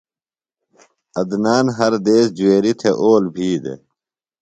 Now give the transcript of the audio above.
عدنان ہر دیس جُویریۡ تھےۡ اول بھی دےۡ۔